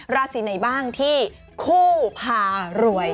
ราศีไหนบ้างที่คู่พารวย